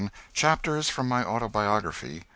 CHAPTERS FROM MY AUTOBIOGRAPHY.